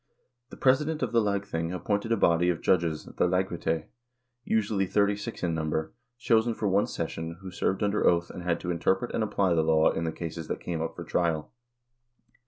The president of the lagthing appointed a body of judges, the lagrette,1 usually thirty six in number, chosen for one session, who served under oath, and had to interpret and apply the law in the cases that came up for trial.